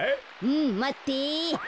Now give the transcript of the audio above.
うんまって。